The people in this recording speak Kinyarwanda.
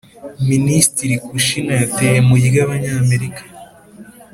minisitiri kouchner yateye mu ry'abanyamerika